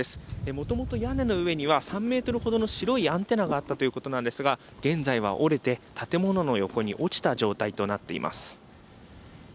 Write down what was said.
もともと屋根の上には白いアンテナがあったということで、現在は折れて建物の横に落ちた状態となっています。